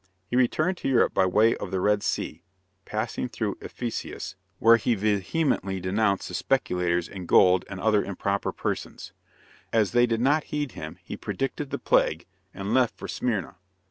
He returned to Europe by way of the Red Sea, passing through Ephesus, where he vehemently denounced the speculators in gold and other improper persons. As they did not heed him, he predicted the plague, and left for Smyrna.